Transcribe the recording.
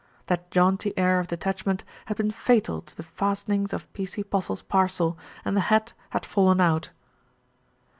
That jaunty air of detach ment had been fatal to the fastenings of P.C. Postle's parcel, and the hat had fallen out.